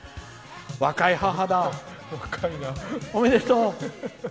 若い母だ！おめでとう。